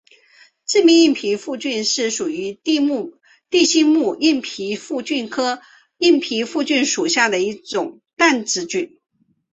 致密硬皮腹菌是属于地星目硬皮腹菌科硬皮腹菌属的一种担子菌。